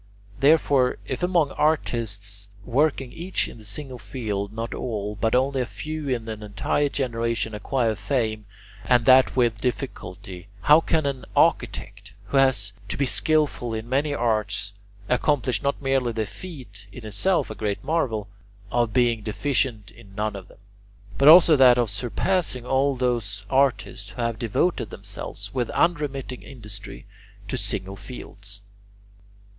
Therefore, if among artists working each in a single field not all, but only a few in an entire generation acquire fame, and that with difficulty, how can an architect, who has to be skilful in many arts, accomplish not merely the feat in itself a great marvel of being deficient in none of them, but also that of surpassing all those artists who have devoted themselves with unremitting industry to single fields?